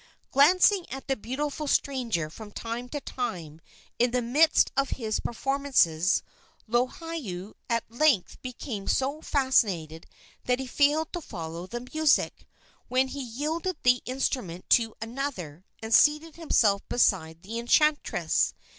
Glancing at the beautiful stranger from time to time in the midst of his performances, Lohiau at length became so fascinated that he failed to follow the music, when he yielded the instrument to another and seated himself beside the enchantress.